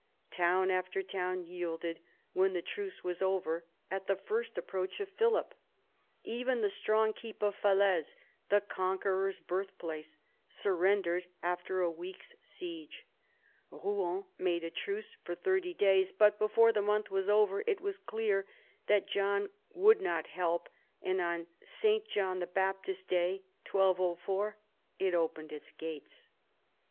Town after town yielded, when the truce was over, at the first approach of Philip. Even the strong keep of Falaise, the conqueror's birthplace, surrendered after a week's siege. Rouen made a truce for thirty days, but before the month was over it was clear that John would not help, and on S. John Baptist's Day 1 204 it opened its gates.